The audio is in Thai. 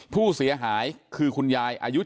ผู้เสียหายคือคุณยายอายุ